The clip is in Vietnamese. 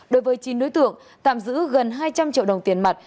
đối với chín đối tượng tạm giữ gần hai trăm linh triệu đồng tiền mặt